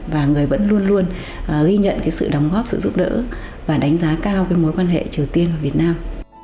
và người vẫn luôn luôn ghi nhận sự đóng góp sự giúp đỡ và đánh giá cao cái mối quan hệ triều tiên và việt nam